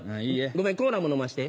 ごめんコーラも飲まして。